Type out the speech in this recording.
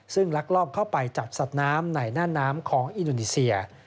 ซึ่งลักลอบเข้าไปจับสัตว์น้ำในหน้าน้ำของอินโดนีเซีย